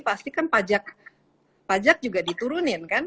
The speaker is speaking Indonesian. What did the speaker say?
pasti kan pajak juga diturunin kan